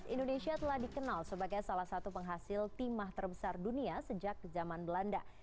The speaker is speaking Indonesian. indonesia telah dikenal sebagai salah satu penghasil timah terbesar dunia sejak zaman belanda